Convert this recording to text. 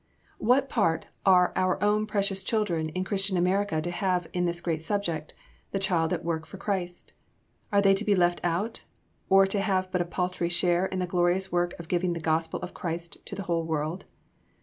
] What part are our own precious children in Christian America to have in this great subject, the Child at Work for Christ? Are they alone to be left out, or to have but a paltry share in the glorious work of giving the Gospel of Christ to the whole world?